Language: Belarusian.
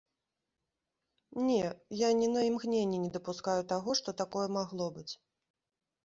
Не, я ні на імгненне не дапускаю таго, што такое магло быць.